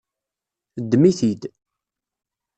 Ddem-it-id.